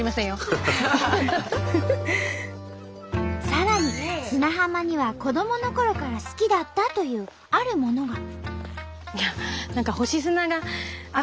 さらに砂浜には子どものころから好きだったというあるものが。